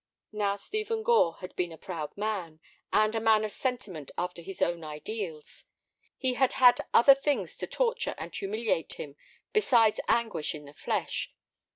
Now Stephen Gore had been a proud man, and a man of sentiment after his own ideals. He had had other things to torture and humiliate him besides anguish in the flesh.